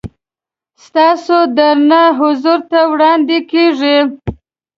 ستاسو درانه حضور ته وړاندې کېږي.